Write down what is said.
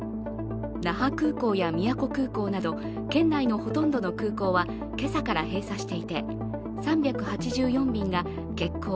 那覇空港や宮古空港など県内のほとんどの空港は今朝から閉鎖していて３８４便が欠航